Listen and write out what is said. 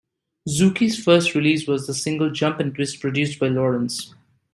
Zukie's first release was the single "Jump and Twist", produced by Lawrence.